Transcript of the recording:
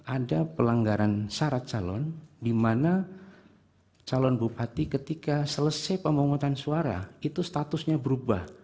ada pelanggaran syarat calon di mana calon bupati ketika selesai pemungutan suara itu statusnya berubah